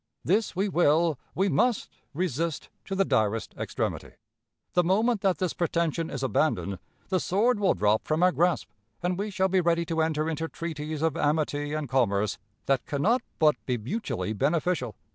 This we will, we must, resist to the direst extremity. The moment that this pretension is abandoned, the sword will drop from our grasp, and we shall be ready to enter into treaties of amity and commerce that can not but be mutually beneficial.